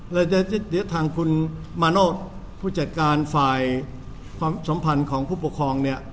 แล้วเดี๋ยวทางคุณมาโนธผู้จัดการฝ่ายความสัมพันธ์ของผู้ปกครองเนี่ย